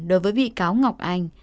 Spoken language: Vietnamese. đối với bị cáo ngọc anh